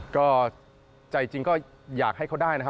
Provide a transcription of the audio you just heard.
ก็ใจจริงก็อยากให้เขาได้นะครับ